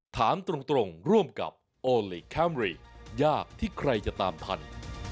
ถามตรงร่วมกับโอลี่คัมรี่ยากที่ใครจะตามทัน